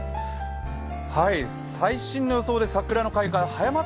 最新の予想で桜の開花早まっ